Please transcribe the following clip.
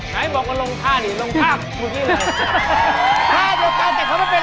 ไหนบอกว่าลงท่าดิลงท่ามือที่ไหน